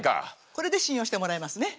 これで信用してもらえますね。